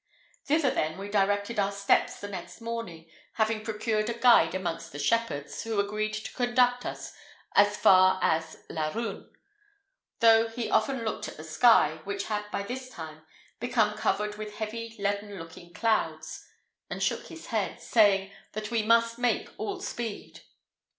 Thither, then, we directed our steps the next morning, having procured a guide amongst the shepherds, who agreed to conduct us as far as Laruns, though he often looked at the sky, which had by this time become covered with heavy leaden looking clouds, and shook his head, saying, that we must make all speed.